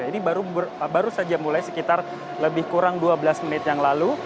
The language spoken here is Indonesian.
ini baru saja mulai sekitar lebih kurang dua belas menit yang lalu